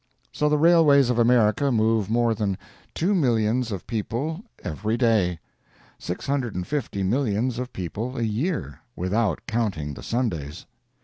So the railways of America move more than two millions of people every day; six hundred and fifty millions of people a year, without counting the Sundays.